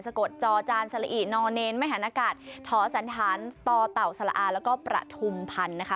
สะโกดจอจานสระอินอเนนมหนะกาดท้อสันธานต่อเต่าสลาอแล้วก็ประทุมพันธ์